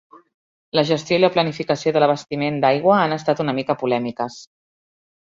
La gestió i la planificació de l'abastiment d'aigua han estat una mica polèmiques.